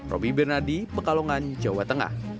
roby bernardi pekalongan jawa tengah